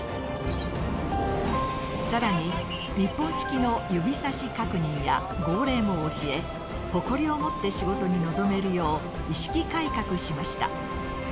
更に日本式の指さし確認や号令も教え誇りを持って仕事に臨めるよう意識改革しました。